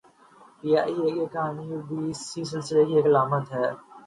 P I A کی کہانی بھی اس سلسلے کی ایک علامت ہے۔